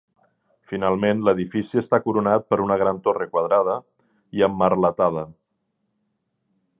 Finalment, l'edifici està coronat per una gran torre quadrada i emmerletada.